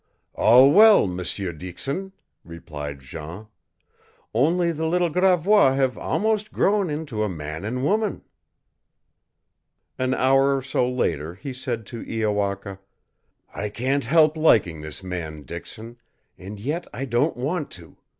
"All well, M'seur Dixon," replied Jean. "Only the little Gravois have almost grown into a man and woman." An hour or so later he said to Iowaka: "I can't help liking this man Dixon, and yet I don't want to.